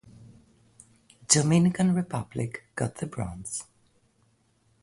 Dominican Republic got the bronze.